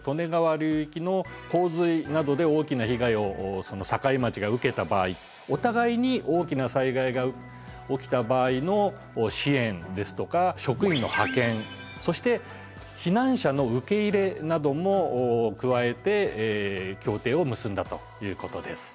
流域の洪水などで大きな被害を境町が受けた場合お互いに大きな災害が起きた場合の支援ですとか職員の派遣そして避難者の受け入れなども加えて協定を結んだということです。